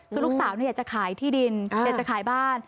คือลูกสาวอยากจะขายที่ดินอยากจะขายบ้าน